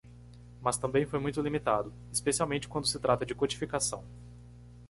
Mas também foi muito limitado?, especialmente quando se trata de codificação.